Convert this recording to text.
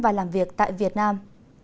và làm việc tại việt nam